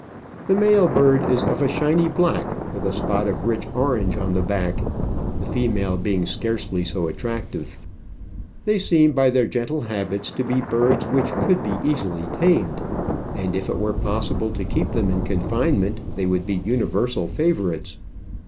The male bird is of a shiny black, with a spot of rich orange on. the back, the female being scarcely so attractive. They seem by their gentle habits to be birds which could be easily tamed, and if it were possible to keep them in confinement they would be universal favourites.